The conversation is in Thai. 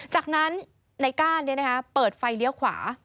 จากนั้นในก้านเปิดไฟเลี้ยวขวา